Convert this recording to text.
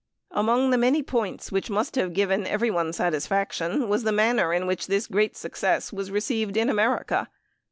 Among the many points which must have given every one satisfaction was the manner in which this great success was received in America.